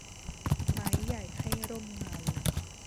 ไม้ใหญ่ให้ร่มเงา